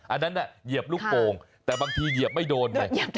อันนั้นเหยียบลูกโป่งแต่บางทีเหยียบไม่โดนไง